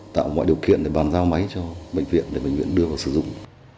tạo mọi điều kiện để bàn giao máy cho bệnh viện để bệnh viện đưa vào sử dụng